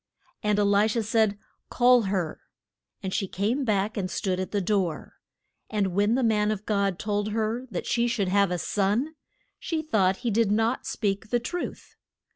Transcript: And E li sha said, Call her. And she came back and stood at the door. And when the man of God told her that she should have a son, she thought he did not speak the truth.